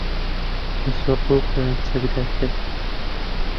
بە چەقۆ خۆیان چەکدار کرد.